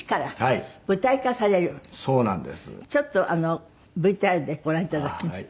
ちょっとＶＴＲでご覧いただきます。